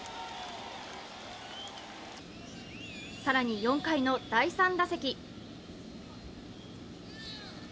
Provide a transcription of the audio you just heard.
更に４回の第３打席。